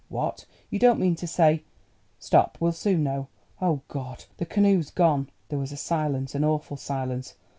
What! You don't mean to say——Stop; we'll soon know. Oh, Goad! the canoe's gone!" There was a silence, an awful silence.